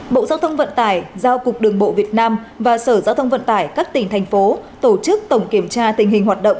bộ giao thông vận tải giao cục đường bộ việt nam và sở giao thông vận tải các tỉnh thành phố tổ chức tổng kiểm tra tình hình hoạt động